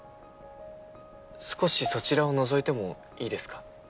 少しそちらを覗いてもいいですか？